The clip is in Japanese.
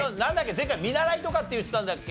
前回見習いとかって言ってたんだっけ？